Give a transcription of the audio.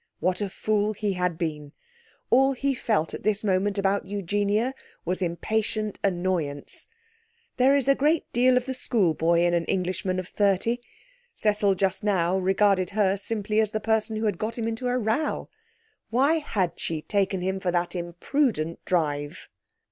What a fool he had been! All he felt at this moment about Eugenia was impatient annoyance. There is a great deal of the schoolboy in an Englishman of thirty. Cecil just now regarded her simply as the person who had got him into a row. Why had she taken him for that imprudent drive?